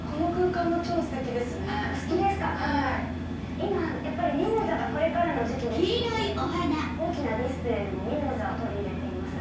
今ミモザがこれからの時期ですので大きなディスプレーでもミモザを取り入れています。